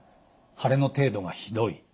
腫れの程度がひどい。